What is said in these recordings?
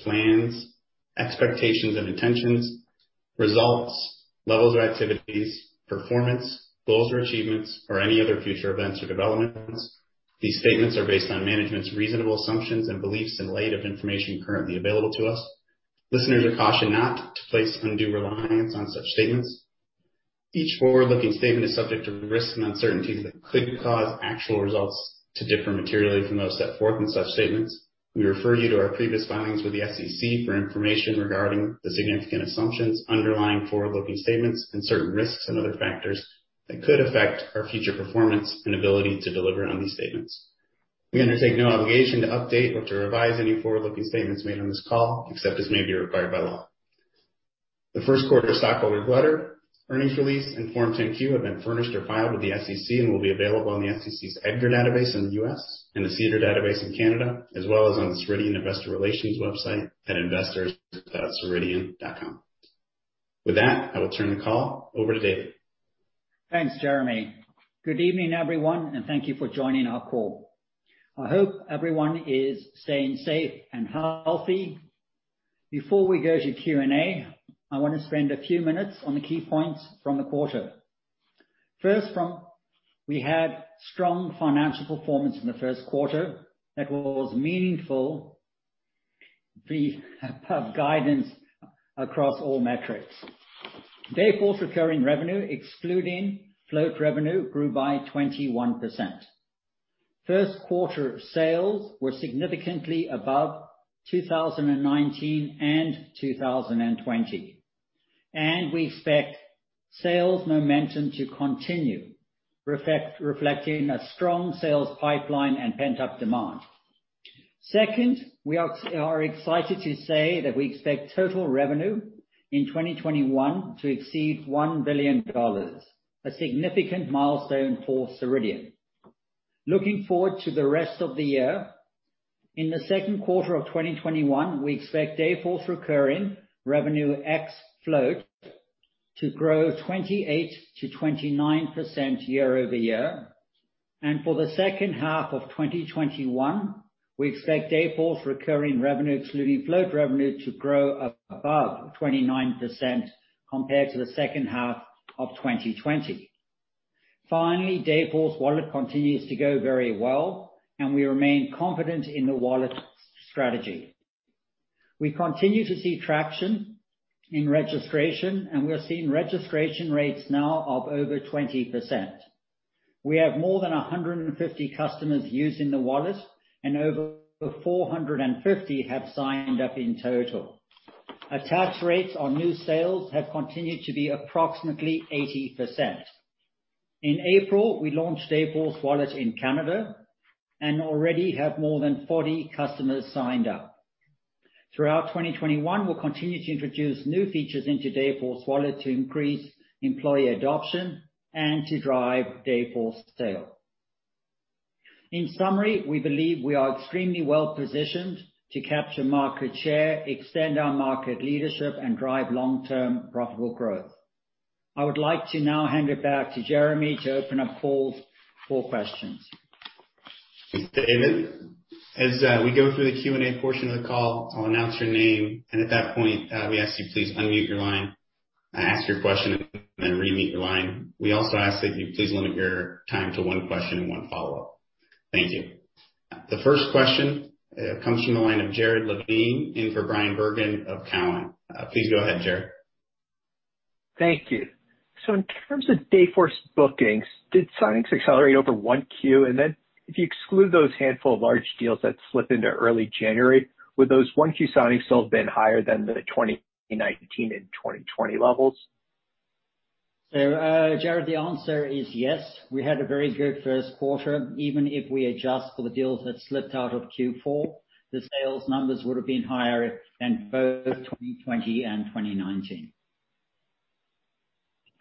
Plans, expectations and intentions, results, levels or activities, performance, goals or achievements or any other future events or developments. These statements are based on management's reasonable assumptions and beliefs in light of information currently available to us. Listeners are cautioned not to place undue reliance on such statements. Each forward-looking statement is subject to risks and uncertainties that could cause actual results to differ materially from those set forth in such statements. We refer you to our previous filings with the SEC for information regarding the significant assumptions underlying forward-looking statements and certain risks and other factors that could affect our future performance and ability to deliver on these statements. We undertake no obligation to update or to revise any forward-looking statements made on this call except as may be required by law. The first quarter stockholders' letter, earnings release, and Form 10-Q have been furnished or filed with the SEC and will be available on the SEC's EDGAR database in the U.S. and the SEDAR database in Canada, as well as on the Ceridian investor relations website at investors.ceridian.com. With that, I will turn the call over to David. Thanks, Jeremy. Good evening, everyone, and thank you for joining our call. I hope everyone is staying safe and healthy. Before we go to Q&A, I want to spend a few minutes on the key points from the quarter. First, we had strong financial performance in the first quarter that was meaningful above guidance across all metrics. Dayforce recurring revenue, excluding float revenue, grew by 21%. First quarter sales were significantly above 2019 and 2020. We expect sales momentum to continue, reflecting a strong sales pipeline and pent-up demand. Second, we are excited to say that we expect total revenue in 2021 to exceed $1 billion, a significant milestone for Ceridian. Looking forward to the rest of the year, in the second quarter of 2021, we expect Dayforce recurring revenue ex float to grow 28%-29% year-over-year. For the second half of 2021, we expect Dayforce recurring revenue, excluding float revenue, to grow above 29% compared to the second half of 2020. Finally, Dayforce Wallet continues to go very well, and we remain confident in the wallet strategy. We continue to see traction in registration, and we are seeing registration rates now of over 20%. We have more than 150 customers using the wallet, and over 450 have signed up in total. Attach rates on new sales have continued to be approximately 80%. In April, we launched Dayforce Wallet in Canada and already have more than 40 customers signed up. Throughout 2021, we'll continue to introduce new features into Dayforce Wallet to increase employee adoption and to drive Dayforce sales. In summary, we believe we are extremely well-positioned to capture market share, extend our market leadership, and drive long-term profitable growth. I would like to now hand it back to Jeremy to open up calls for questions. Thanks, David. As we go through the Q&A portion of the call, I'll announce your name, and at that point, we ask you please unmute your line, ask your question, and then remute your line. We also ask that you please limit your time to one question and one follow-up. Thank you. The first question comes from the line of Jared Levine in for Bryan Bergin of Cowen. Please go ahead, Jared. Thank you. In terms of Dayforce bookings, did signings accelerate over one Q? If you exclude those handful of large deals that slip into early January, would those one Q signings still have been higher than the 2019 and 2020 levels? Jared, the answer is yes. We had a very good first quarter. Even if we adjust for the deals that slipped out of Q4, the sales numbers would have been higher than both 2020 and 2019.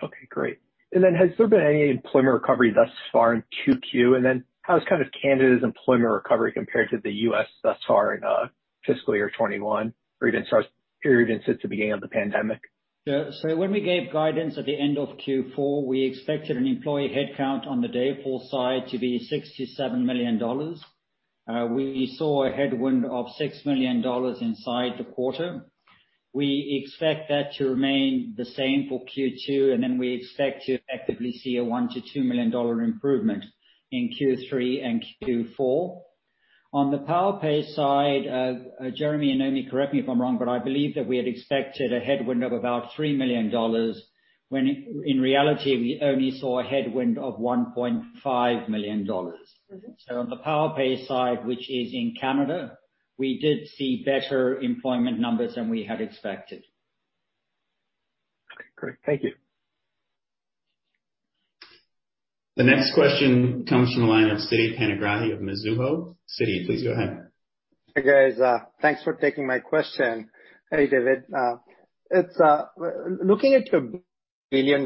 Okay, great. Has there been any employment recovery thus far in 2Q? How has kind of Canada's employment recovery compared to the U.S. thus far in fiscal year 2021 or even since the beginning of the pandemic? When we gave guidance at the end of Q4, we expected an employee headcount on the Dayforce side to be $6 million-$7 million. We saw a headwind of $6 million inside the quarter. We expect that to remain the same for Q2, then we expect to effectively see a $1 million-$2 million improvement in Q3 and Q4. On the Powerpay side, Jeremy and Noémie, correct me if I'm wrong, I believe that we had expected a headwind of about $3 million when in reality we only saw a headwind of $1.5 million. On the Powerpay side, which is in Canada, we did see better employment numbers than we had expected. Okay, great. Thank you. The next question comes from the line of Siti Panigrahi of Mizuho. Siti, please go ahead. Hi, guys. Thanks for taking my question. Hey, David. Looking at your $1 billion+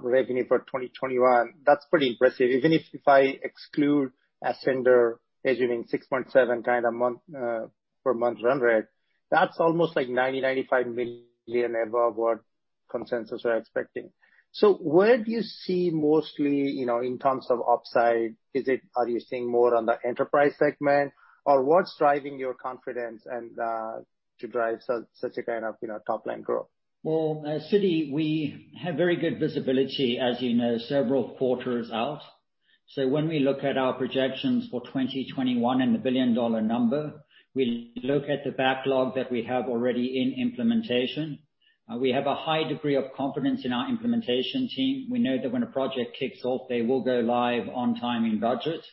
revenue for 2021, that's pretty impressive. Even if I exclude Ascender, measuring 6.7 kind of per month run rate. That's almost like $90 million-$95 million above what consensus were expecting. Where do you see mostly in terms of upside? Are you seeing more on the enterprise segment? Or what's driving your confidence and to drive such a kind of top-line growth? Well, Siti we have very good visibility, as you know, several quarters out. When we look at our projections for 2021 and the billion-dollar number, we look at the backlog that we have already in implementation. We have a high degree of confidence in our implementation team. We know that when a project kicks off, they will go live on time and budget,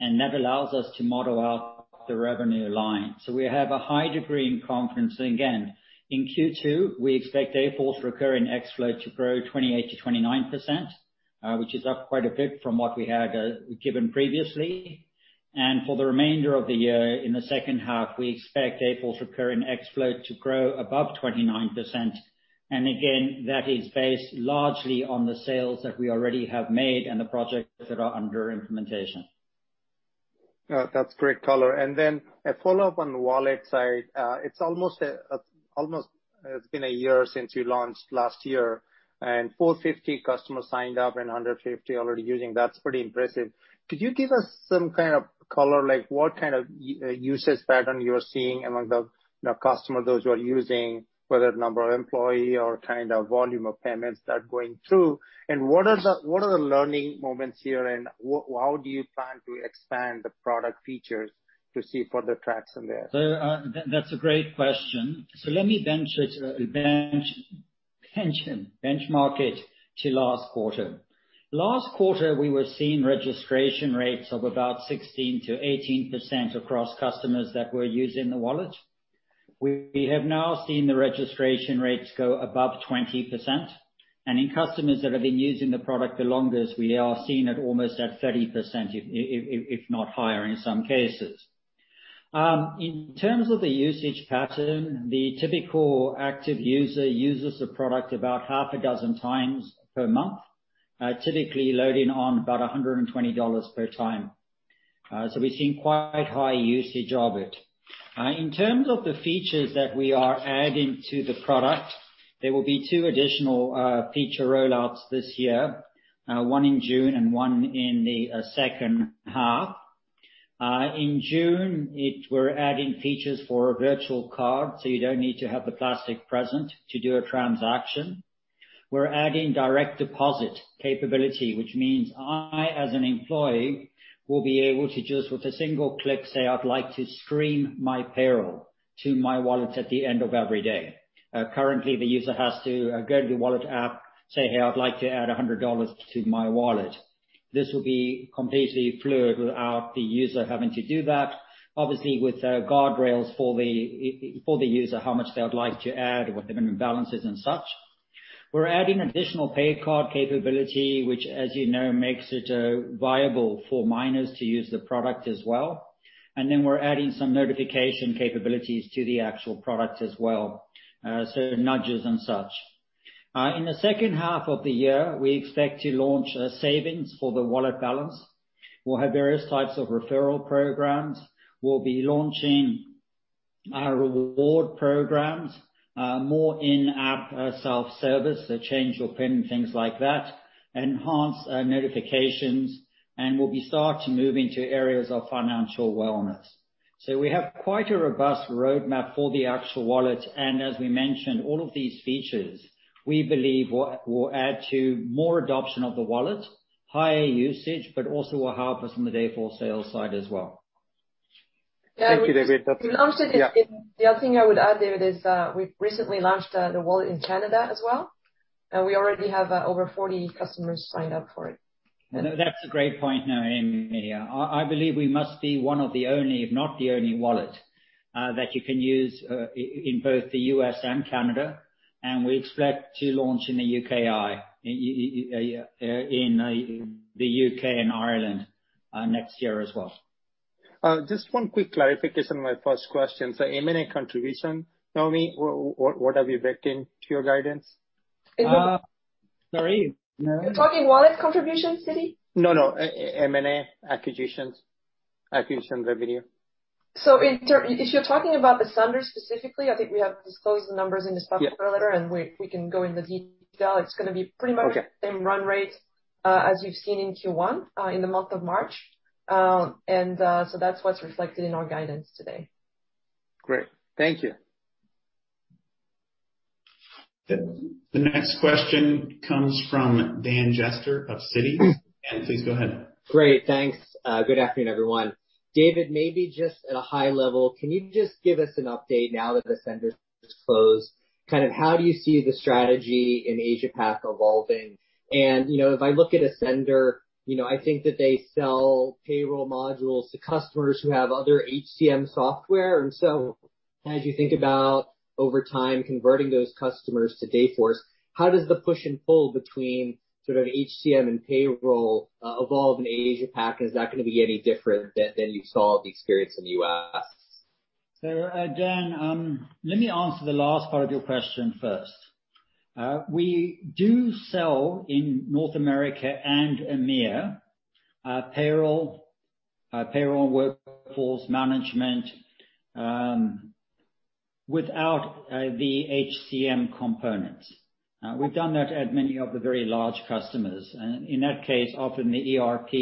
and that allows us to model out the revenue line. We have a high degree of confidence. Again, in Q2, we expect Dayforce recurring x float to grow 28%-29%, which is up quite a bit from what we had given previously. For the remainder of the year, in the second half, we expect Dayforce recurring x float to grow above 29%. Again, that is based largely on the sales that we already have made and the projects that are under implementation. No, that's great color. a follow-up on the wallet side. It's been a year since you launched last year, and 450 customers signed up and 150 already using. That's pretty impressive. Could you give us some kind of color, like what kind of usage pattern you're seeing among the customers, those who are using, whether number of employee or volume of payments that are going through? what are the learning moments here, and how do you plan to expand the product features to see further traction there? That's a great question. Let me benchmark it to last quarter. Last quarter, we were seeing registration rates of about 16%-18% across customers that were using the wallet. We have now seen the registration rates go above 20%, and in customers that have been using the product the longest, we are seeing it almost at 30%, if not higher in some cases. In terms of the usage pattern, the typical active user uses the product about half a dozen times per month, typically loading on about $120 per time. We're seeing quite high usage of it. In terms of the features that we are adding to the product, there will be two additional feature roll-outs this year, one in June and one in the second half. In June, we're adding features for a virtual card, so you don't need to have the plastic present to do a transaction. We're adding direct deposit capability, which means I, as an employee, will be able to just with a single click, say, "I'd like to stream my payroll to my wallet at the end of every day." Currently, the user has to go to the wallet app, say, "Hey, I'd like to add $100 to my wallet." This will be completely fluid without the user having to do that. Obviously, with guardrails for the user, how much they would like to add with minimum balances and such. We're adding additional pay card capability, which as you know, makes it viable for minors to use the product as well. We're adding some notification capabilities to the actual product as well, so nudges and such. In the second half of the year, we expect to launch savings for the wallet balance. We'll have various types of referral programs. We'll be launching our reward programs, more in-app self-service, so change your PIN, things like that, enhance notifications, and we'll be starting to move into areas of financial wellness. We have quite a robust roadmap for the actual wallet, and as we mentioned, all of these features, we believe will add to more adoption of the wallet, higher usage, but also will help us on the Dayforce sales side as well. Thank you, David. That's The other thing I would add there is, we've recently launched the wallet in Canada as well, and we already have over 40 customers signed up for it. That's a great point, Noémie. I believe we must be one of the only, if not the only wallet that you can use in both the U.S. and Canada, and we expect to launch in the U.K. and Ireland next year as well. Just one quick clarification on my first question. M&A contribution, Noémie, what are we reckoning to your guidance? You're talking wallet contribution, Citi? No, no, M&A acquisitions. Acquisitions revenue. if you're talking about Ascender specifically, I think we have disclosed the numbers in the stuff earlier, and we can go into detail. It's going to be pretty much the same run rate, as you've seen in Q1, in the month of March. that's what's reflected in our guidance today. Great. Thank you. The next question comes from Dan Jester of Citi. Dan, please go ahead. Great. Thanks. Good afternoon, everyone. David, maybe just at a high level, can you just give us an update now that Ascender is closed, how do you see the strategy in Asia Pac evolving? If I look at Ascender, I think that they sell payroll modules to customers who have other HCM software. as you think about over time converting those customers to Dayforce, how does the push and pull between sort of HCM and payroll evolve in Asia Pac, and is that going to be any different than you saw the experience in the U.S.? Dan, let me answer the last part of your question first. We do sell in North America and EMEIA Payroll, workforce management, without the HCM components. We've done that at many of the very large customers. in that case, often the ERP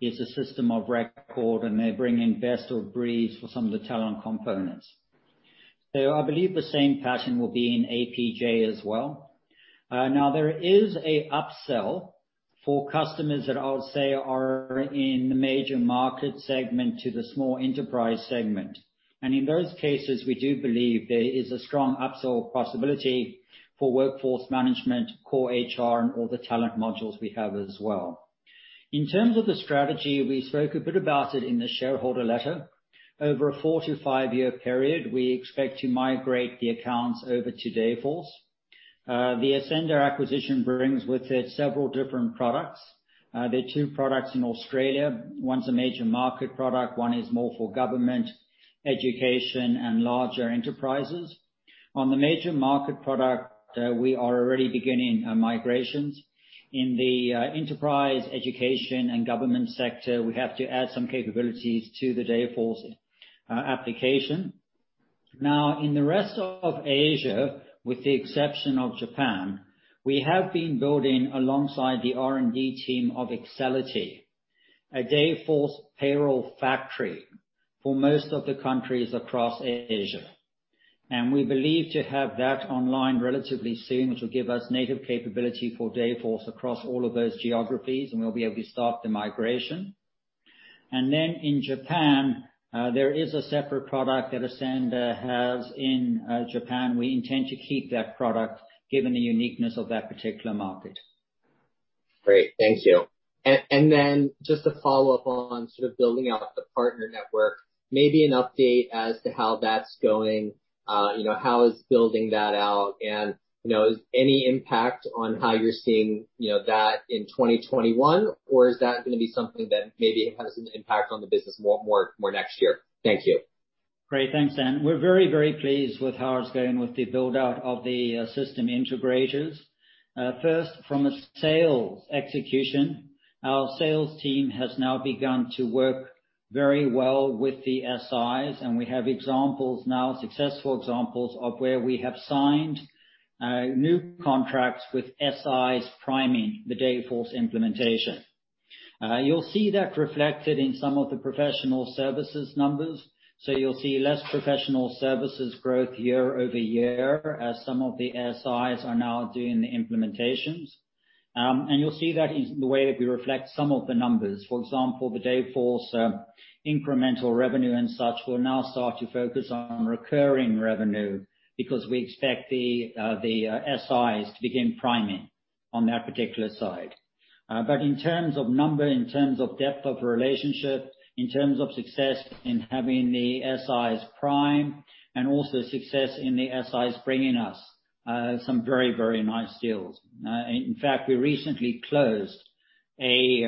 is a system of record, and they bring in best-of-breed for some of the talent components. I believe the same pattern will be in APJ as well. Now, there is a upsell for customers that I would say are in the major market segment to the small enterprise segment. in those cases, we do believe there is a strong upsell possibility for workforce management, core HR, and all the talent modules we have as well. In terms of the strategy, we spoke a bit about it in the shareholder letter. Over a four to five-year period, we expect to migrate the accounts over to Dayforce. The Ascender acquisition brings with it several different products. There are two products in Australia. One's a major market product, one is more for government, education, and larger enterprises. On the major market product, we are already beginning migrations. In the enterprise education and government sector, we have to add some capabilities to the Dayforce application. Now, in the rest of Asia, with the exception of Japan, we have been building alongside the R&D team of Excelity, a Dayforce payroll factory for most of the countries across Asia. We believe to have that online relatively soon, which will give us native capability for Dayforce across all of those geographies, and we'll be able to start the migration. In Japan, there is a separate product that Ascender has in Japan. We intend to keep that product given the uniqueness of that particular market. Great. Thank you. Just to follow up on sort of building out the partner network, maybe an update as to how that's going. How is building that out? Is any impact on how you're seeing that in 2021, or is that going to be something that maybe has an impact on the business more next year? Thank you. Great. Thanks, Dan. We're very, very pleased with how it's going with the build-out of the system integrators. First, from a sales execution, our sales team has now begun to work very well with the SIs. We have examples now, successful examples of where we have signed new contracts with SIs priming the Dayforce implementation. You'll see that reflected in some of the professional services numbers. You'll see less professional services growth year-over-year as some of the SIs are now doing the implementations. You'll see that in the way that we reflect some of the numbers. For example, the Dayforce incremental revenue and such will now start to focus on recurring revenue because we expect the SIs to begin priming on that particular side. In terms of number, in terms of depth of relationship, in terms of success in having the SIs prime and also success in the SIs bringing us some very, very nice deals. In fact, we recently closed a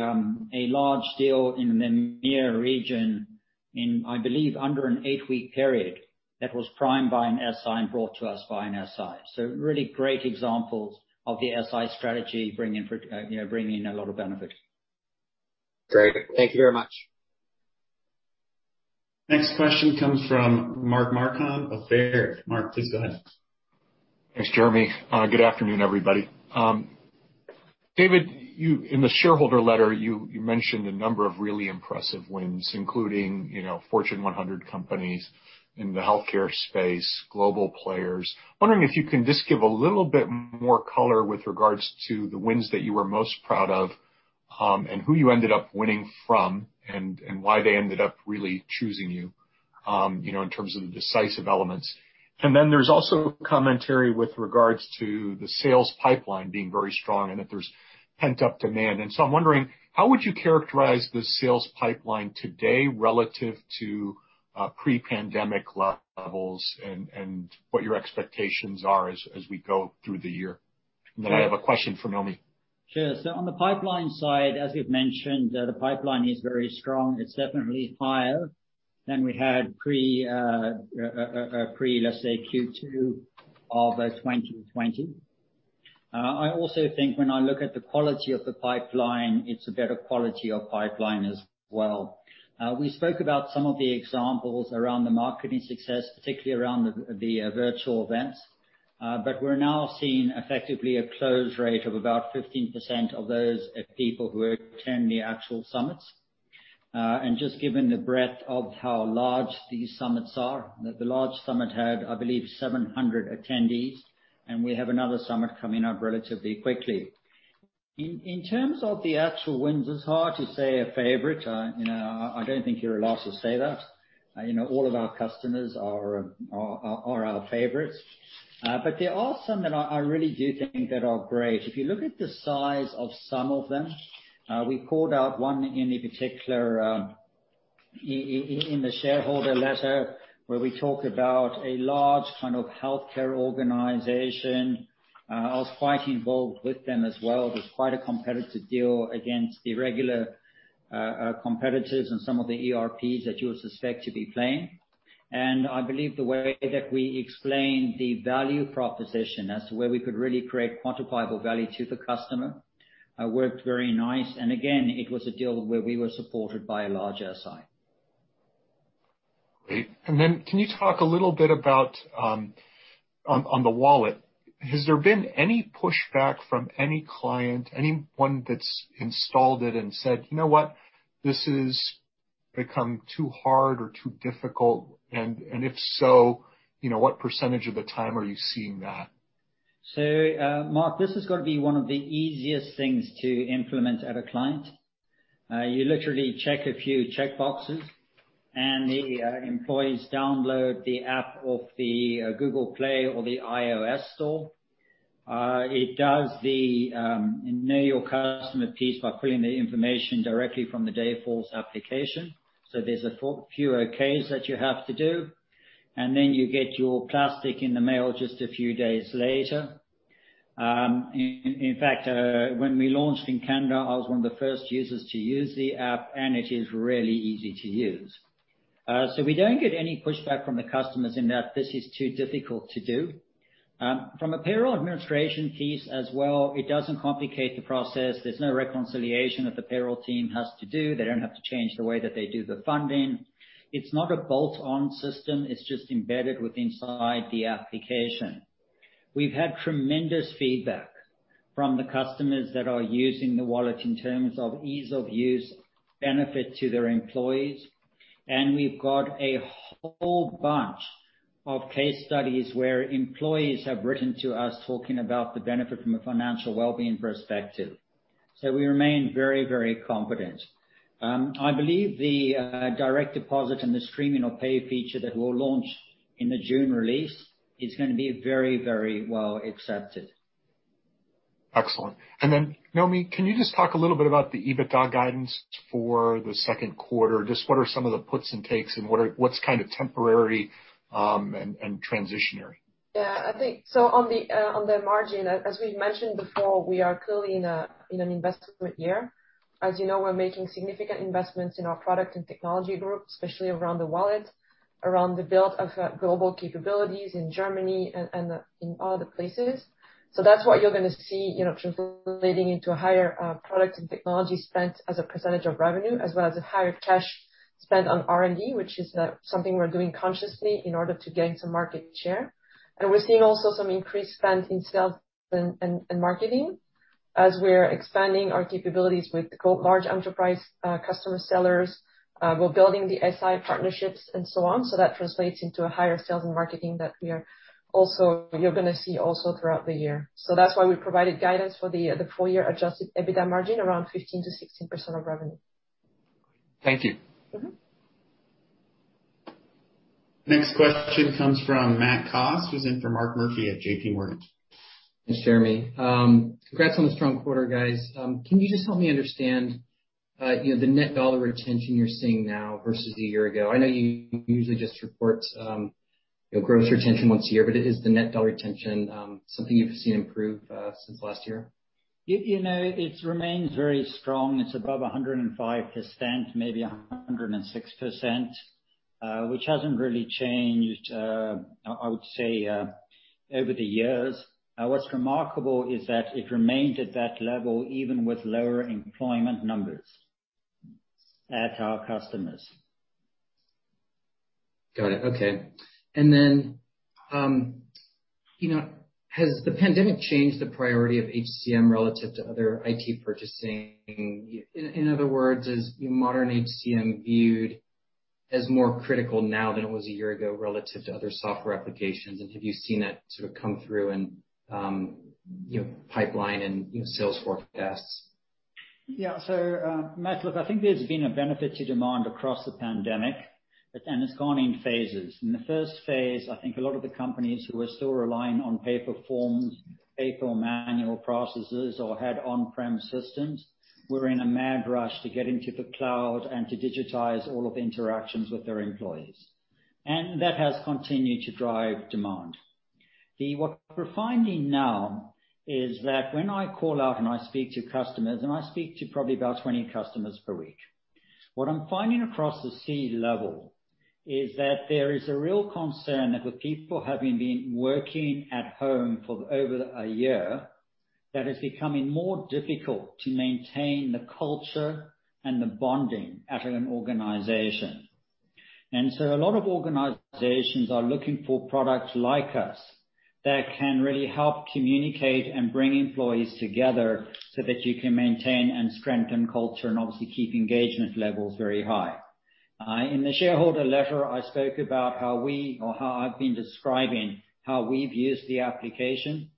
large deal in the EMEA region in, I believe, under an eight-week period that was primed by an SI and brought to us by an SI. Really great examples of the SI strategy bringing a lot of benefit. Great. Thank you very much. Next question comes from Mark Marcon of Baird. Mark, please go ahead. Thanks, Jeremy. Good afternoon, everybody. David, in the shareholder letter, you mentioned a number of really impressive wins, including Fortune 100 companies in the healthcare space, global players. Wondering if you can just give a little bit more color with regards to the wins that you were most proud of, and who you ended up winning from and why they ended up really choosing you, in terms of the decisive elements. There's also commentary with regards to the sales pipeline being very strong and if there's pent-up demand. I'm wondering, how would you characterize the sales pipeline today relative to pre-pandemic levels and what your expectations are as we go through the year? I have a question for Noémie. Sure. On the pipeline side, as we've mentioned, the pipeline is very strong. It's definitely higher than we had pre, let's say, Q2 of 2020. I also think when I look at the quality of the pipeline, it's a better quality of pipeline as well. We spoke about some of the examples around the marketing success, particularly around the virtual events. We're now seeing effectively a close rate of about 15% of those people who attend the actual summits. Just given the breadth of how large these summits are, the large summit had, I believe, 700 attendees, and we have another summit coming up relatively quickly. In terms of the actual wins, it's hard to say a favorite. I don't think you're allowed to say that. All of our customers are our favorites. There are some that I really do think that are great. If you look at the size of some of them, we called out one in particular in the shareholder letter where we talk about a large kind of healthcare organization. I was quite involved with them as well. It was quite a competitive deal against the regular competitors and some of the ERPs that you would suspect to be playing. I believe the way that we explained the value proposition as to where we could really create quantifiable value to the customer worked very nice. Again, it was a deal where we were supported by a large SI. Great. can you talk a little bit about on the wallet, has there been any pushback from any client, anyone that's installed it and said, "You know what? This has become too hard or too difficult?" if so, what percentage of the time are you seeing that? Mark, this has got to be one of the easiest things to implement at a client. You literally check a few checkboxes, and the employees download the app off the Google Play or the iOS store. It does the know your customer piece by pulling the information directly from the Dayforce application. There's a few OKs that you have to do, and then you get your plastic in the mail just a few days later. In fact, when we launched in Canada, I was one of the first users to use the app, and it is really easy to use. We don't get any pushback from the customers in that this is too difficult to do. From a payroll administration piece as well, it doesn't complicate the process. There's no reconciliation that the payroll team has to do. They don't have to change the way that they do the funding. It's not a bolt-on system. It's just embedded within the application. We've had tremendous feedback from the customers that are using the wallet in terms of ease of use benefit to their employees, and we've got a whole bunch of case studies where employees have written to us talking about the benefit from a financial well-being perspective. We remain very confident. I believe the direct deposit and the streaming of pay feature that will launch in the June release is going to be very well accepted. Excellent. Noémie, can you just talk a little bit about the EBITDA guidance for the second quarter? Just what are some of the puts and takes and what's kind of temporary and transitionary? Yeah, I think so on the margin, as we mentioned before, we are clearly in an investment year. As you know, we're making significant investments in our product and technology group, especially around the wallet, around the build of global capabilities in Germany and in other places. That's what you're going to see translating into a higher product and technology spend as a percentage of revenue, as well as a higher cash spend on R&D, which is something we're doing consciously in order to gain some market share. We're seeing also some increased spend in sales and marketing as we're expanding our capabilities with large enterprise customer sellers. We're building the SI partnerships and so on. That translates into a higher sales and marketing that you're going to see also throughout the year. That's why we provided guidance for the full year adjusted EBITDA margin around 15%-16% of revenue. Thank you. Next question comes from Matt Koss, who's in for Mark Murphy at JPMorgan. Jeremy, congrats on the strong quarter, guys. Can you just help me understand the net dollar retention you're seeing now versus a year ago? I know you usually just report your gross retention once a year, but is the net dollar retention something you've seen improve since last year? It remains very strong. It's above 105%, maybe 106%, which hasn't really changed, I would say, over the years. What's remarkable is that it remains at that level even with lower employment numbers at our customers. Got it. Okay. Has the pandemic changed the priority of HCM relative to other IT purchasing? In other words, is modern HCM viewed as more critical now than it was a year ago relative to other software applications? Have you seen that sort of come through in pipeline and sales forecasts? Yeah. Matt, look, I think there's been a benefit to demand across the pandemic, and it's gone in phases. In the first phase, I think a lot of the companies who were still relying on paper forms, paper manual processes, or had on-prem systems, were in a mad rush to get into the cloud and to digitize all of the interactions with their employees. That has continued to drive demand. What we're finding now is that when I call out and I speak to customers, and I speak to probably about 20 customers per week, what I'm finding across the C-level is that there is a real concern that with people having been working at home for over a year, that it's becoming more difficult to maintain the culture and the bonding at an organization. A lot of organizations are looking for products like us that can really help communicate and bring employees together so that you can maintain and strengthen culture and obviously keep engagement levels very high. In the shareholder letter, I spoke about how we or how I've been describing how we've used the application.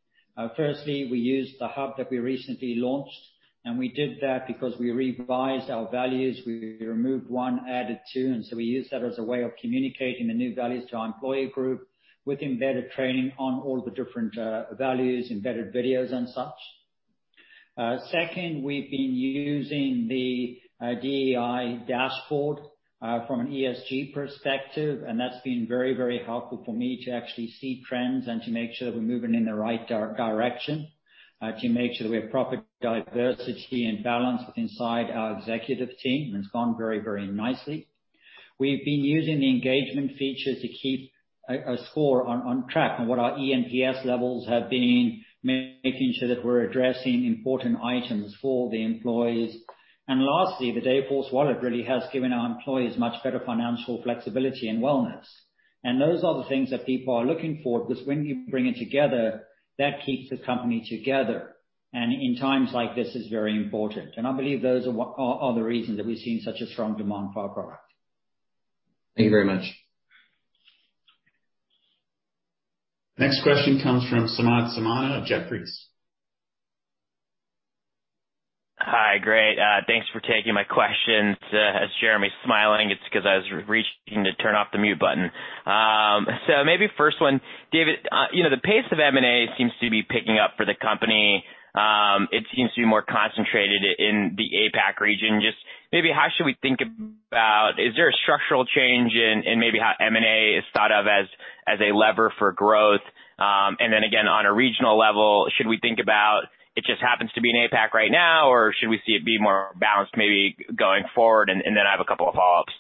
Firstly, we used the hub that we recently launched, and we did that because we revised our values. We removed one, added two, and so we used that as a way of communicating the new values to our employee group with embedded training on all the different values, embedded videos and such. Second, we've been using the DEI dashboard from an ESG perspective, and that's been very helpful for me to actually see trends and to make sure that we're moving in the right direction, to make sure that we have proper diversity and balance inside our executive team. It's gone very nicely. We've been using the engagement feature to keep a score on track on what our eNPS levels have been, making sure that we're addressing important items for the employees. Lastly, the Dayforce wallet really has given our employees much better financial flexibility and wellness. Those are the things that people are looking for, because when you bring it together, that keeps the company together, and in times like this, it's very important. I believe those are the reasons that we're seeing such a strong demand for our product. Thank you very much. Next question comes from Samad Samana of Jefferies. Hi, great. Thanks for taking my questions. As Jeremy's smiling, it's because I was reaching to turn off the mute button. Maybe first one, David, the pace of M&A seems to be picking up for the company. It seems to be more concentrated in the APAC region. Just maybe how should we think about, is there a structural change in maybe how M&A is thought of as a lever for growth? Again, on a regional level, should we think about, it just happens to be in APAC right now, or should we see it be more balanced maybe going forward? I have a couple of follow-ups.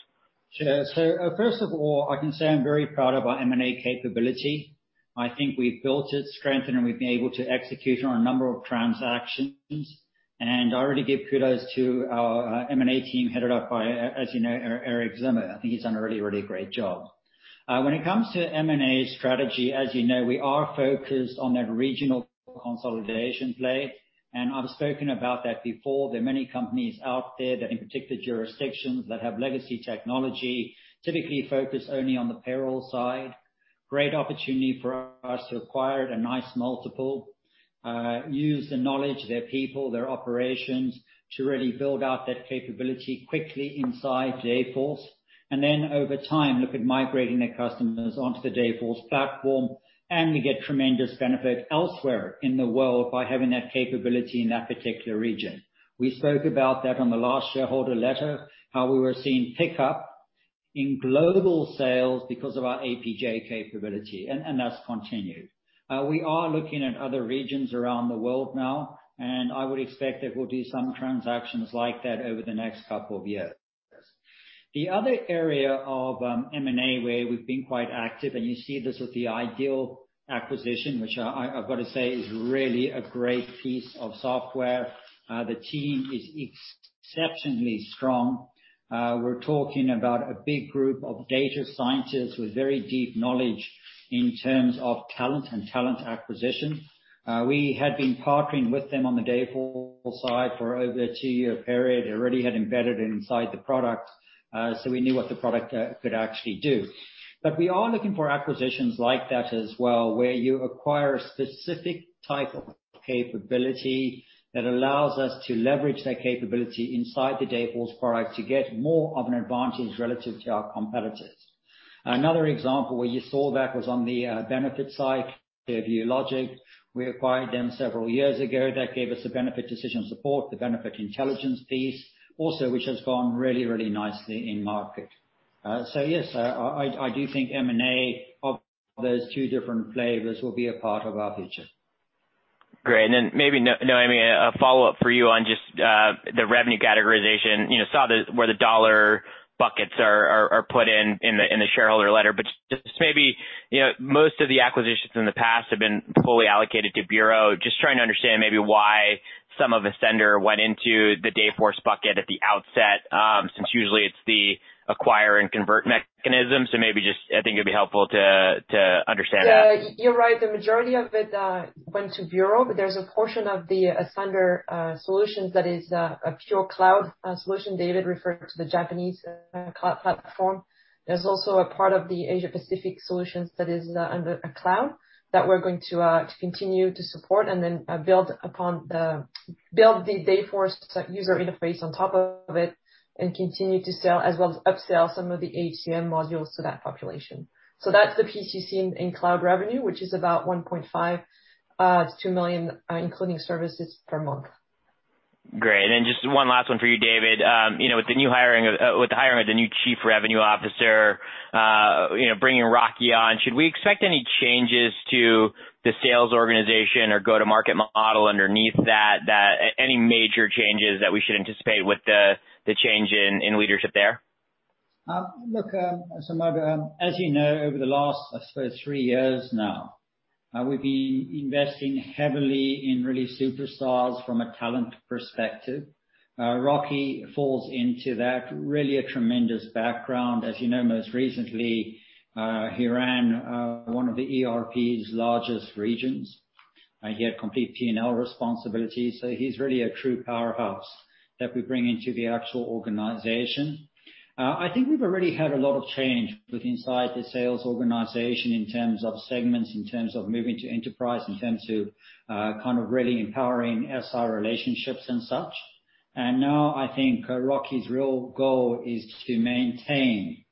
Sure. First of all, I can say I'm very proud of our M&A capability. I think we've built it, strengthened it, and we've been able to execute on a number of transactions. I already give kudos to our M&A team headed up by, as you know, Erik Zimmer. I think he's done a really, really great job. When it comes to M&A strategy, as you know, we are focused on that regional consolidation play, and I've spoken about that before. There are many companies out there that, in particular jurisdictions, that have legacy technology, typically focused only on the payroll side. Great opportunity for us to acquire at a nice multiple. Use the knowledge, their people, their operations to really build out that capability quickly inside Dayforce, and then over time, look at migrating their customers onto the Dayforce platform. We get tremendous benefit elsewhere in the world by having that capability in that particular region. We spoke about that on the last shareholder letter, how we were seeing pickup in global sales because of our APJ capability, and that's continued. We are looking at other regions around the world now, and I would expect that we'll do some transactions like that over the next couple of years. The other area of M&A where we've been quite active, and you see this with the Ideal acquisition, which I've got to say is really a great piece of software. The team is exceptionally strong. We're talking about a big group of data scientists with very deep knowledge in terms of talent and talent acquisition. We had been partnering with them on the Dayforce side for over a two-year period. They already had embedded it inside the product, so we knew what the product could actually do. We are looking for acquisitions like that as well, where you acquire a specific type of capability that allows us to leverage that capability inside the Dayforce product to get more of an advantage relative to our competitors. Another example where you saw that was on the benefits side, [Pay-view logic]. We acquired them several years ago. That gave us the benefit decision support, the benefit intelligence piece also, which has gone really, really nicely in market. Yes, I do think M&A of those two different flavors will be a part of our future. Great. then maybe, Noémie, a follow-up for you on just the revenue categorization. Saw where the dollar buckets are put in the shareholder letter. just maybe, most of the acquisitions in the past have been fully allocated to bureau. Just trying to understand maybe why some of Ascender went into the Dayforce bucket at the outset, since usually it's the acquire and convert mechanism. maybe just, I think it'd be helpful to understand that. You're right. The majority of it went to bureau, but there's a portion of the Ascender solutions that is a pure cloud solution. David referred to the Japanese cloud platform. There's also a part of the Asia Pacific solutions that is under a cloud that we're going to continue to support and then build the Dayforce user interface on top of it and continue to sell as well as upsell some of the HCM modules to that population. That's the piece you see in cloud revenue, which is about $1.5 million-$2 million, including services per month. Great. Just one last one for you, David. With the hiring of the new chief revenue officer, bringing Rocky on, should we expect any changes to the sales organization or go-to-market model underneath that? Any major changes that we should anticipate with the change in leadership there? Look, Samad, as you know, over the last, I suppose, three years now, we've been investing heavily in really superstars from a talent perspective. Rocky falls into that. Really a tremendous background. As you know, most recently, he ran one of the ERP's largest regions. He had complete P&L responsibility. He's really a true powerhouse that we bring into the actual organization. I think we've already had a lot of change with inside the sales organization in terms of segments, in terms of moving to enterprise, in terms of kind of really empowering SI relationships and such. Now I think Rocky's real goal is to maintain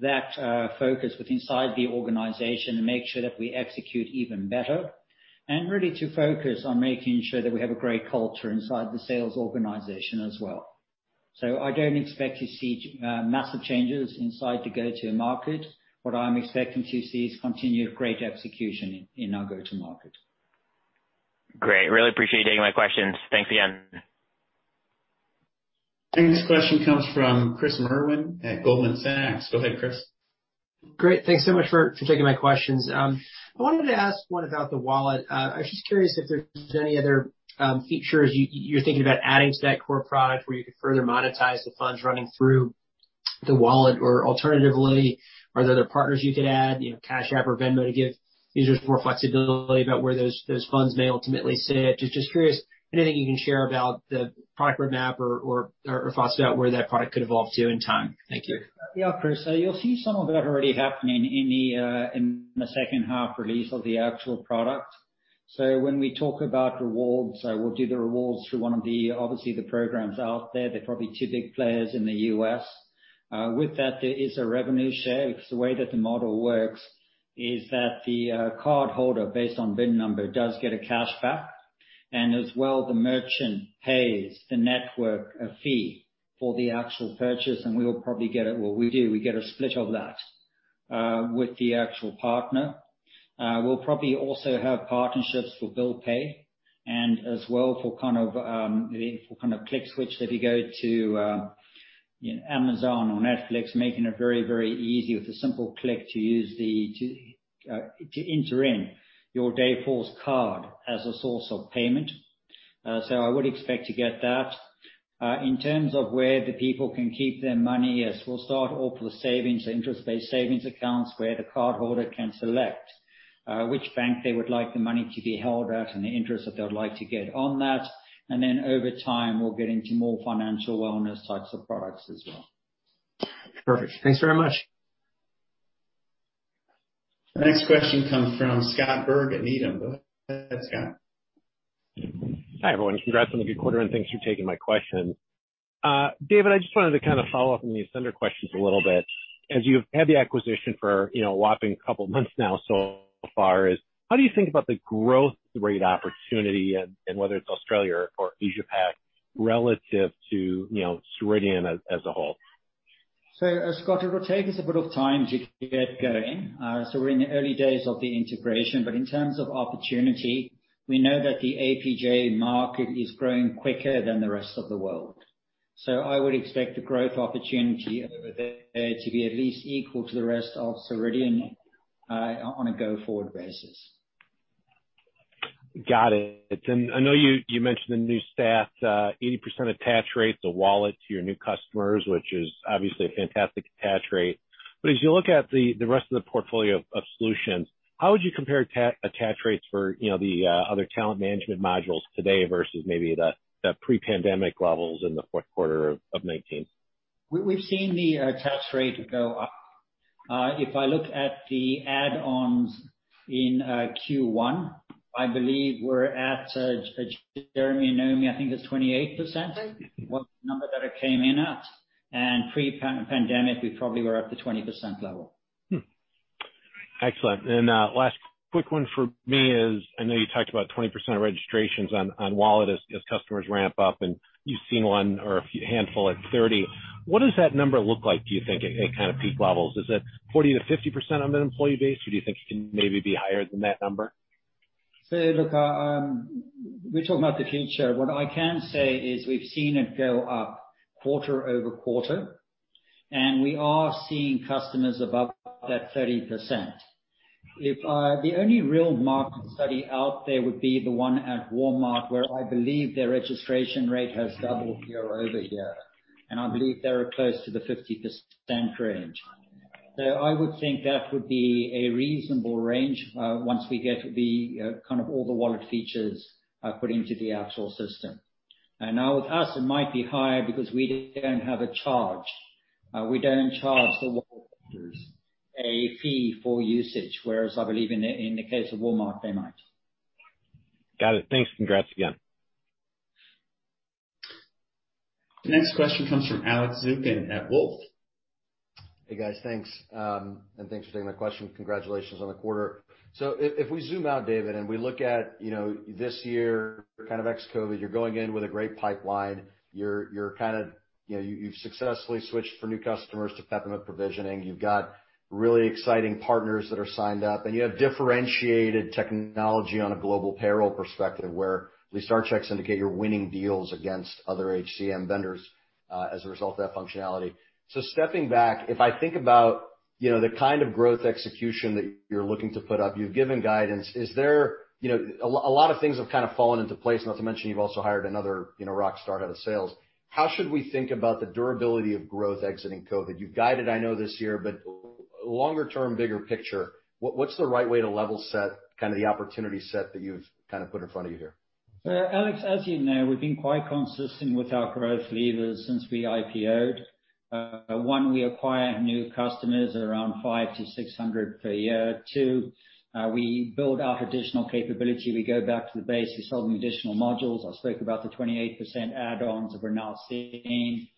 that focus with inside the organization and make sure that we execute even better, and really to focus on making sure that we have a great culture inside the sales organization as well. I don't expect to see massive changes inside the go-to-market. What I'm expecting to see is continued great execution in our go-to-market. Great. Really appreciate you taking my questions. Thanks again. Next question comes from Chris Merwin at Goldman Sachs. Go ahead, Chris. Great. Thanks so much for taking my questions. I wanted to ask one about the wallet. I was just curious if there's any other features you're thinking about adding to that core product where you could further monetize the funds running through the wallet, or alternatively, are there other partners you could add, Cash App or Venmo, to give users more flexibility about where those funds may ultimately sit? Just curious, anything you can share about the product roadmap or thoughts about where that product could evolve to in time. Thank you. Yeah, Chris, you'll see some of that already happening in the second half release of the actual product. When we talk about rewards, we'll do the rewards through one of the, obviously, the programs out there. There are probably two big players in the U.S. With that, there is a revenue share, because the way that the model works is that the cardholder, based on bin number, does get a cashback. As well, the merchant pays the network a fee for the actual purchase, and we will probably get it. Well, we do. We get a split of that with the actual partner. We'll probably also have partnerships for bill pay and as well for kind of click switch. If you go to Amazon or Netflix, making it very, very easy with a simple click to enter in your Dayforce card as a source of payment. I would expect to get that. In terms of where the people can keep their money, yes, we'll start off with savings, interest-based savings accounts, where the cardholder can select which bank they would like the money to be held at and the interest that they would like to get on that. Over time, we'll get into more financial wellness types of products as well. Perfect. Thanks very much. The next question comes from Scott Berg at Needham. Go ahead, Scott. Hi, everyone. Congrats on the good quarter, and thanks for taking my question. David, I just wanted to kind of follow up on these vendor questions a little bit. As you've had the acquisition for a whopping couple months now so far, is how do you think about the growth rate opportunity and whether it's Australia or Asia Pacific relative to Ceridian as a whole? Scott, it will take us a bit of time to get going. We're in the early days of the integration, but in terms of opportunity, we know that the APJ market is growing quicker than the rest of the world. I would expect the growth opportunity over there to be at least equal to the rest of Ceridian on a go-forward basis. Got it. I know you mentioned the new staff, 80% attach rate, the wallet to your new customers, which is obviously a fantastic attach rate. As you look at the rest of the portfolio of solutions, how would you compare attach rates for the other talent management modules today versus maybe the pre-pandemic levels in the fourth quarter of 2019? We've seen the attach rate go up. If I look at the add-ons in Q1, I believe we're at, Jeremy and Noémie, I think it's 28%. I think. What number that it came in at. Pre-pandemic, we probably were at the 20% level. Excellent. Last quick one for me is, I know you talked about 20% of registrations on Wallet as customers ramp up, and you've seen one or a handful at 30. What does that number look like, do you think, at kind of peak levels? Is it 40%-50% of an employee base, or do you think it can maybe be higher than that number? look, we're talking about the future. What I can say is we've seen it go up quarter-over-quarter, and we are seeing customers above that 30%. The only real market study out there would be the one at Walmart, where I believe their registration rate has doubled year-over-year, and I believe they are close to the 50% range. I would think that would be a reasonable range once we get the kind of all the wallet features put into the actual system. Now, with us, it might be higher because we don't have a charge. We don't charge the a fee for usage, whereas I believe in the case of Walmart, they might. Got it. Thanks. Congrats again. The next question comes from Alex Zukin at Wolfe Research. Hey, guys. Thanks. Thanks for taking my question. Congratulations on the quarter. If we zoom out, David, and we look at this year, kind of ex-COVID, you're going in with a great pipeline. You've successfully switched for new customers to permanent provisioning. You've got really exciting partners that are signed up, and you have differentiated technology on a global payroll perspective, where at least our checks indicate you're winning deals against other HCM vendors as a result of that functionality. Stepping back, if I think about the kind of growth execution that you're looking to put up, you've given guidance. A lot of things have kind of fallen into place. Not to mention, you've also hired another rock star out of sales. How should we think about the durability of growth exiting COVID? You've guided, I know, this year, but longer term, bigger picture, what's the right way to level set kind of the opportunity set that you've kind of put in front of you here? Alex, as you know, we've been quite consistent with our growth levers since we IPO'd. One, we acquire new customers around five to 600 per year. Two, we build out additional capability. We go back to the base of selling additional modules. I spoke about the 28% add-ons that we're now seeing.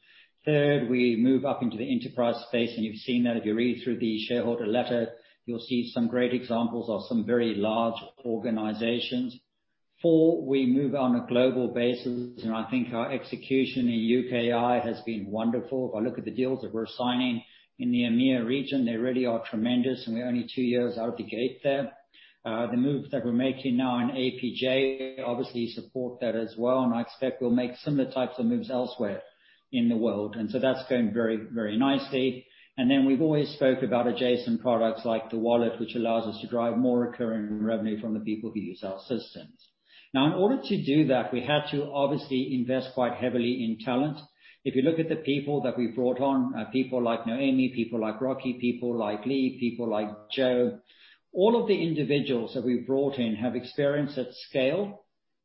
Third, we move up into the enterprise space, and you've seen that if you read through the shareholder letter. You'll see some great examples of some very large organizations. Four, we move on a global basis, and I think our execution in UKI has been wonderful. If I look at the deals that we're signing in the EMEIA region, they really are tremendous, and we're only two years out of the gate there. The moves that we're making now in APJ obviously support that as well, and I expect we'll make similar types of moves elsewhere in the world. That's going very nicely. We've always spoke about adjacent products like the wallet, which allows us to drive more recurring revenue from the people who use our systems. Now, in order to do that, we had to obviously invest quite heavily in talent. If you look at the people that we brought on, people like Noémie, people like Rocky, people like Lee, people like Joe, all of the individuals that we've brought in have experience at scale.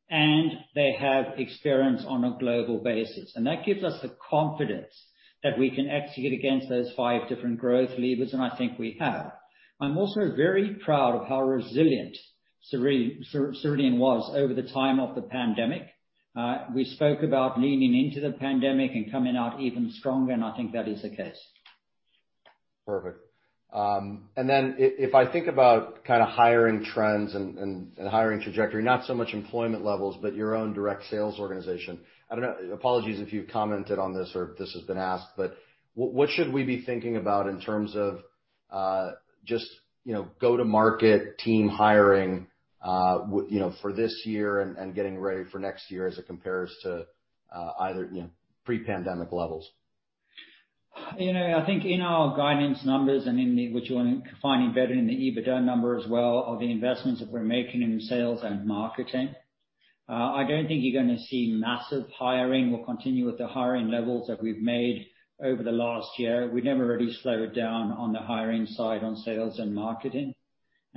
They have experience on a global basis. That gives us the confidence that we can execute against those five different growth levers, and I think we have. I'm also very proud of how resilient Ceridian was over the time of the pandemic. We spoke about leaning into the pandemic and coming out even stronger, and I think that is the case. Perfect. If I think about hiring trends and hiring trajectory, not so much employment levels, but your own direct sales organization. I don't know, apologies if you've commented on this or if this has been asked, but what should we be thinking about in terms of just go to market team hiring for this year and getting ready for next year as it compares to either pre-pandemic levels? I think in our guidance numbers and in what you're finding embedded in the EBITDA number as well, are the investments that we're making in sales and marketing. I don't think you're going to see massive hiring. We'll continue with the hiring levels that we've made over the last year. We've never really slowed down on the hiring side on sales and marketing,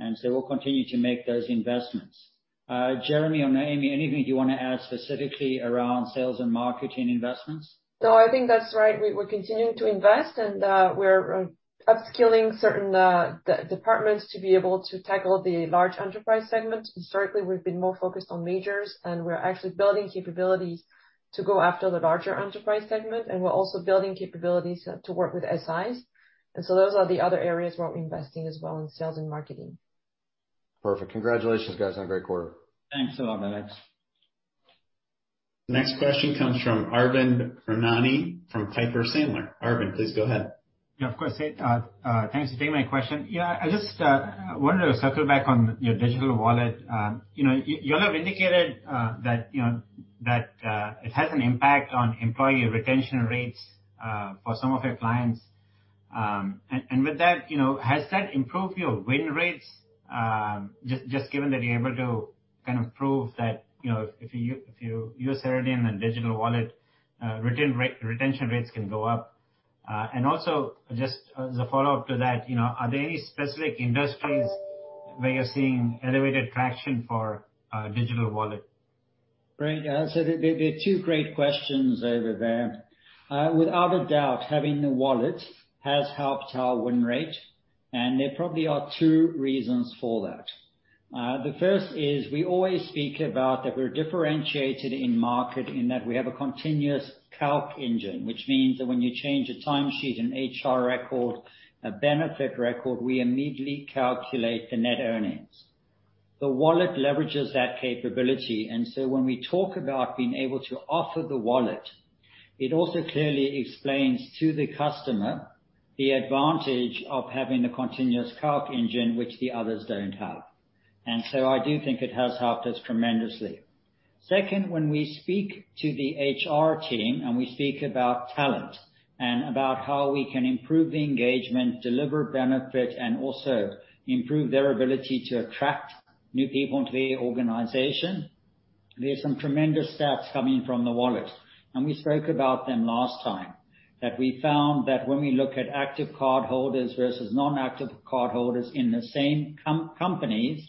and so we'll continue to make those investments. Jeremy or Noémie, anything you want to add specifically around sales and marketing investments? No, I think that's right. We're continuing to invest and we're upskilling certain departments to be able to tackle the large enterprise segments. Historically, we've been more focused on majors, we're actually building capabilities to go after the larger enterprise segment. We're also building capabilities to work with SIs. Those are the other areas where we're investing as well in sales and marketing. Perfect. Congratulations, guys, on a great quarter. Thanks a lot, Alex. Next question comes from Arvind Ramnani from Piper Sandler. Arvind, please go ahead. Yeah, of course. Thanks for taking my question. I just wanted to circle back on your digital wallet. You all have indicated that it has an impact on employee retention rates for some of your clients. With that, has that improved your win rates, just given that you're able to kind of prove that if you use Ceridian and digital wallet, retention rates can go up? Also, just as a follow-up to that, are there any specific industries where you're seeing elevated traction for digital wallet? Great. There are two great questions over there. Without a doubt, having the wallet has helped our win rate, and there probably are two reasons for that. The first is we always speak about that we're differentiated in market in that we have a continuous calculation engine, which means that when you change a timesheet, an HR record, a benefit record, we immediately calculate the net earnings. The wallet leverages that capability, and so when we talk about being able to offer the wallet, it also clearly explains to the customer the advantage of having the continuous calculation engine which the others don't have. I do think it has helped us tremendously. Second, when we speak to the HR team and we speak about talent and about how we can improve the engagement, deliver benefit, and also improve their ability to attract new people into the organization, there's some tremendous stats coming from the wallet. We spoke about them last time, that we found that when we look at active cardholders versus non-active cardholders in the same companies,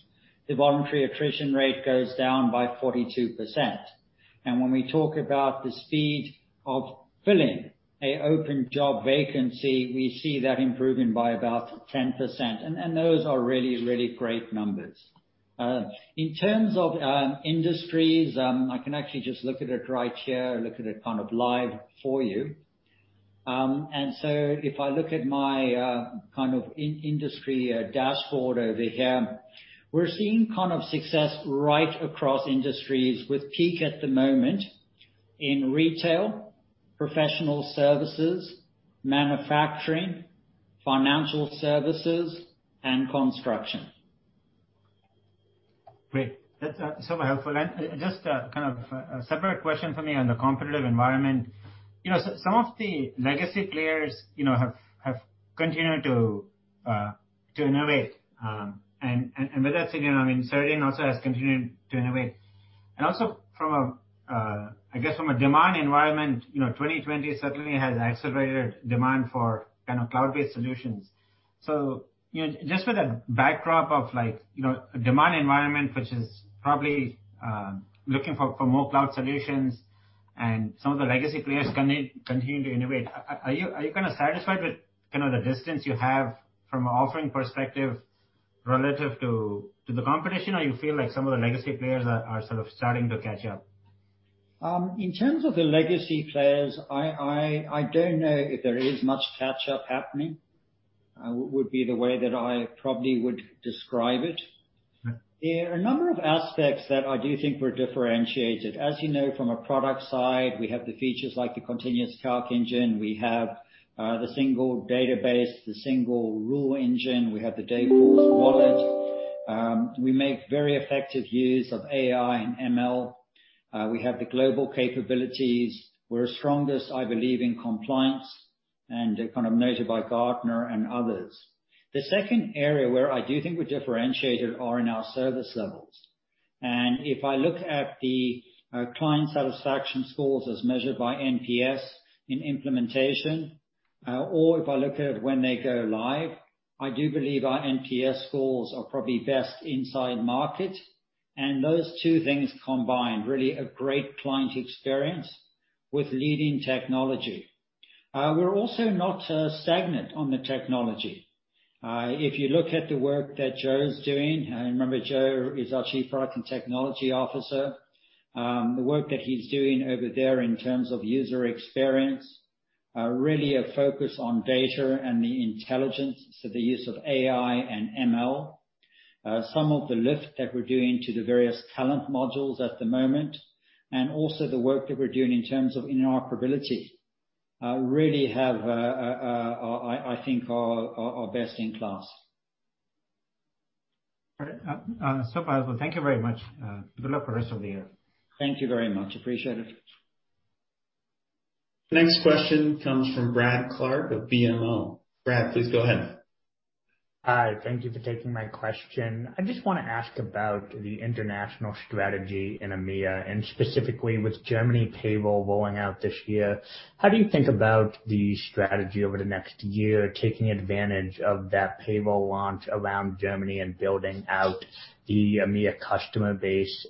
the voluntary attrition rate goes down by 42%. When we talk about the speed of filling an open job vacancy, we see that improving by about 10%. Those are really, really great numbers. In terms of industries, I can actually just look at it right here, look at it kind of live for you. If I look at my industry dashboard over here, we're seeing success right across industries with peak at the moment in retail, professional services, manufacturing, financial services, and construction. Great. That's super helpful. Just a separate question for me on the competitive environment. Some of the legacy players have continued to innovate. With that said, Ceridian also has continued to innovate. Also, from a demand environment, 2020 certainly has accelerated demand for cloud-based solutions. Just with a backdrop of a demand environment which is probably looking for more cloud solutions and some of the legacy players continue to innovate, are you satisfied with the distance you have from an offering perspective relative to the competition? You feel like some of the legacy players are sort of starting to catch up? In terms of the legacy players, I don't know if there is much catch up happening. Would be the way that I probably would describe it. Okay. There are a number of aspects that I do think we're differentiated. As you know, from a product side, we have the features like the continuous calculation engine. We have the single database, the single rule engine. We have the Dayforce Wallet. We make very effective use of AI and ML. We have the global capabilities. We're strongest, I believe, in compliance, and they're kind of noted by Gartner and others. The second area where I do think we're differentiated are in our service levels. If I look at the client satisfaction scores as measured by NPS in implementation. Or if I look at it when they go live, I do believe our NPS scores are probably best inside market. Those two things combined, really a great client experience with leading technology. We're also not stagnant on the technology. If you look at the work that Joe's doing, remember Joe is our Chief Product and Technology Officer. The work that he's doing over there in terms of user experience, really a focus on data and the intelligence, so the use of AI and ML. Some of the lift that we're doing to the various talent modules at the moment, and also the work that we're doing in terms of interoperability, really have, I think, are best in class. All right. Powerful. Thank you very much. Good luck for rest of the year. Thank you very much. Appreciate it. Next question comes from Brad Clark of BMO. Brad, please go ahead. Hi. Thank you for taking my question. I just want to ask about the international strategy in EMEA, and specifically with Germany payroll rolling out this year, how do you think about the strategy over the next year, taking advantage of that payroll launch around Germany and building out the EMEA customer base?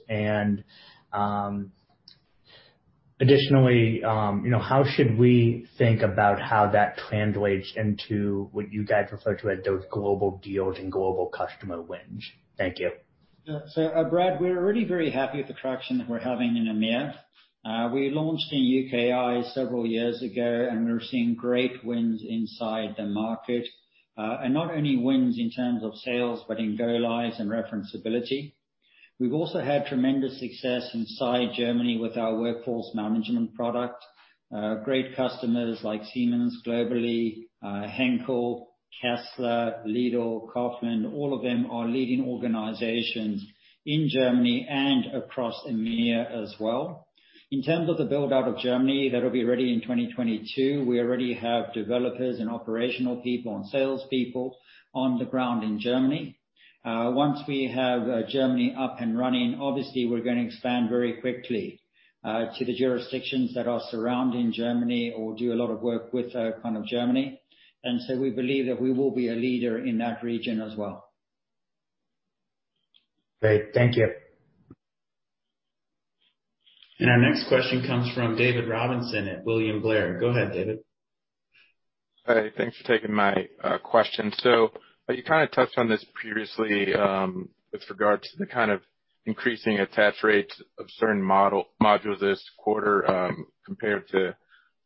Additionally, how should we think about how that translates into what you guys refer to as those global deals and global customer wins? Thank you. Brad, we're already very happy with the traction that we're having in EMEA. We launched in UKI several years ago, and we're seeing great wins inside the market. Not only wins in terms of sales, but in go lives and referenceability. We've also had tremendous success inside Germany with our workforce management product. Great customers like Siemens globally, Henkel, Kessler, Lidl, Kaufland, all of them are leading organizations in Germany and across EMEA as well. In terms of the build-out of Germany, that'll be ready in 2022. We already have developers and operational people and salespeople on the ground in Germany. Once we have Germany up and running, obviously we're going to expand very quickly to the jurisdictions that are surrounding Germany or do a lot of work with Germany. We believe that we will be a leader in that region as well. Great. Thank you. Our next question comes from David Robinson at William Blair. Go ahead, David. Hi. Thanks for taking my question. You kind of touched on this previously, with regard to the kind of increasing attach rates of certain modules this quarter, compared to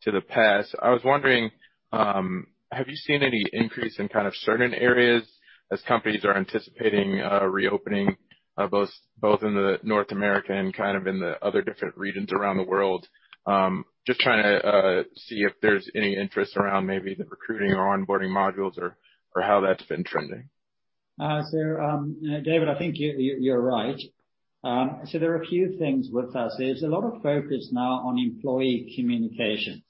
the past. I was wondering, have you seen any increase in kind of certain areas as companies are anticipating reopening, both in the North America and kind of in the other different regions around the world? Just trying to see if there's any interest around maybe the recruiting or onboarding modules or how that's been trending. David, I think you're right. There are a few things with us. There's a lot of focus now on employee communications.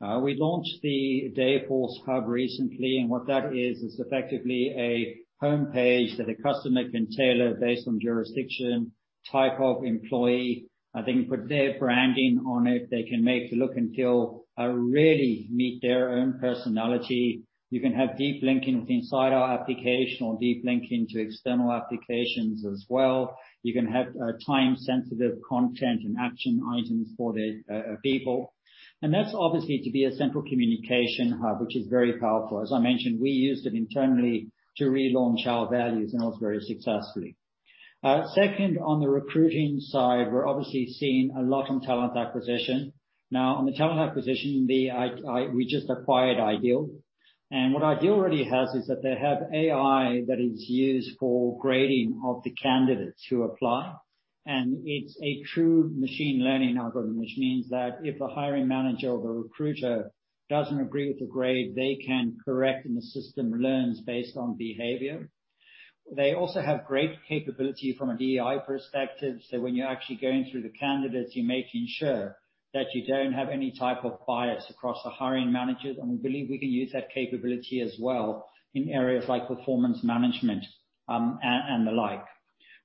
We launched the Dayforce Hub recently, and what that is is effectively a homepage that a customer can tailor based on jurisdiction, type of employee. They can put their branding on it. They can make the look and feel really meet their own personality. You can have deep linking with inside our application or deep linking to external applications as well. You can have time-sensitive content and action items for their people. That's obviously to be a central communication hub, which is very powerful. As I mentioned, we used it internally to relaunch our values, and it was very successful. Second, on the recruiting side, we're obviously seeing a lot on talent acquisition. Now, on the talent acquisition, we just acquired Ideal. What Ideal really has is that they have AI that is used for grading of the candidates who apply, and it's a true machine learning algorithm, which means that if the hiring manager or the recruiter doesn't agree with the grade, they can correct and the system learns based on behavior. They also have great capability from a DEI perspective. When you're actually going through the candidates, you're making sure that you don't have any type of bias across the hiring managers, and we believe we can use that capability as well in areas like performance management and the like.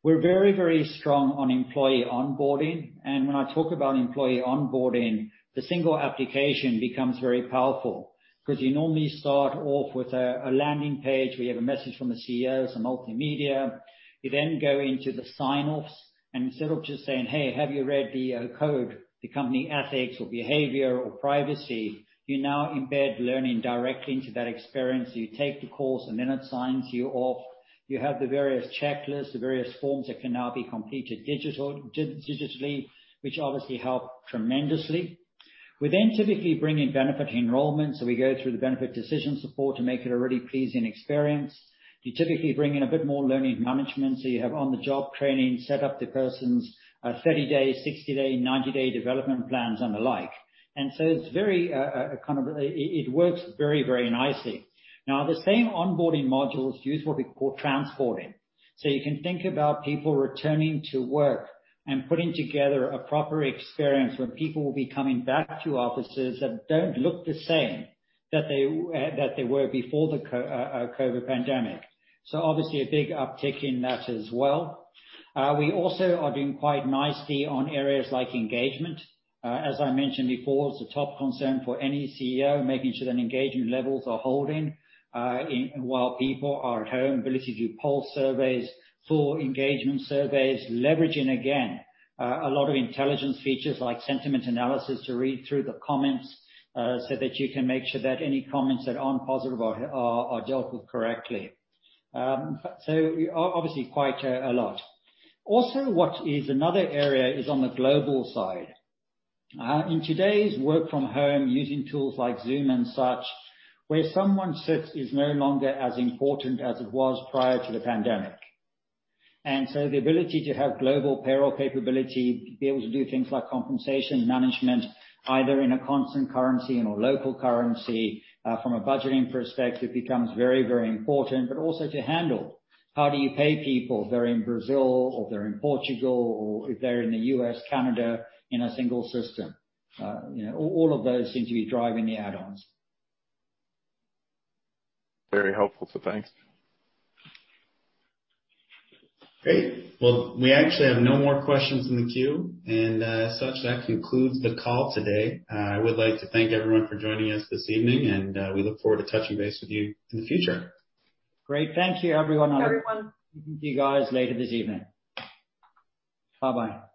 We're very strong on employee onboarding. When I talk about employee onboarding, the single application becomes very powerful because you normally start off with a landing page where you have a message from the CEO, some multimedia. You then go into the sign-offs, and instead of just saying, "Hey, have you read the code, the company ethics or behavior or privacy?" You now embed learning directly into that experience. You take the course, and then it signs you off. You have the various checklists, the various forms that can now be completed digitally, which obviously help tremendously. We then typically bring in benefit enrollment, so we go through the benefit decision support to make it a really pleasing experience. You typically bring in a bit more learning management, so you have on-the-job training, set up the person's 30-day, 60-day, 90-day development plans and the like. It works very nicely. Now, the same onboarding modules used will be called [transporting]. You can think about people returning to work and putting together a proper experience when people will be coming back to offices that don't look the same, that they were before the COVID pandemic. Obviously a big uptick in that as well. We also are doing quite nicely on areas like engagement. As I mentioned before, it's the top concern for any CEO, making sure that engagement levels are holding while people are at home. Ability to do pulse surveys, full engagement surveys, leveraging, again, a lot of intelligence features like sentiment analysis to read through the comments, so that you can make sure that any comments that aren't positive are dealt with correctly. Obviously quite a lot. Also what is another area is on the global side. In today's work from home, using tools like Zoom and such, where someone sits is no longer as important as it was prior to the pandemic. The ability to have global payroll capability, to be able to do things like compensation management, either in a constant currency, in a local currency, from a budgeting perspective becomes very important, but also to handle how do you pay people if they're in Brazil or they're in Portugal, or if they're in the U.S., Canada, in a single system. All of those seem to be driving the add-ons. Very helpful. Thanks. Great. Well, we actually have no more questions in the queue, and as such, that concludes the call today. I would like to thank everyone for joining us this evening, and we look forward to touching base with you in the future. Great. Thank you, everyone. Thanks, everyone. Speak to you guys later this evening. Bye-bye